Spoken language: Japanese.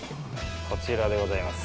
こちらでございます。